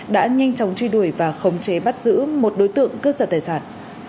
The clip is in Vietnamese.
đã nhanh chóng truy đuổi và khống chế bắt giữ một đối tượng cướp giật tài sản